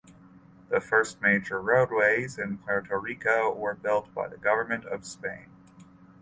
The first major roadways in Puerto Rico were built by the Government of Spain.